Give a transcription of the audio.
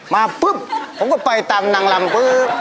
มาปุ๊บผมก็ไปตามนางลำปุ๊บ